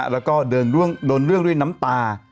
แล้วก็เดินเรื่องด้วยน้ำตา